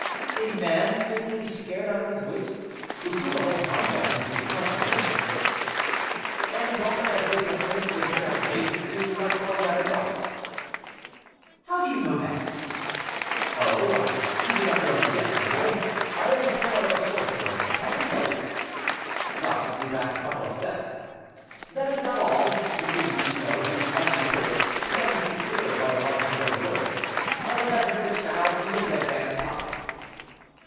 "A man, seemingly scared out of his wits, who threw the whole convent into consternation." "And Dom Modeste sent for his litter, and hastened to 'La Corne d'Abondance.'" "How do you know that?" "Oh! you don't know me yet, my boy; I am somewhat of a sorcerer, I can tell you." Jacques drew back a couple of steps. "That is not all," continued Chicot, who, as he spoke, began to see clearer by the light of his own words; "a letter was found in the dead man's pocket."